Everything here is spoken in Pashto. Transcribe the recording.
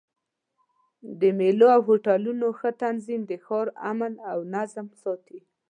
د مېلو او هوټلونو ښه تنظیم د ښار امن او نظم ساتي.